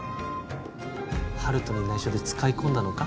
温人に内緒で使い込んだのか？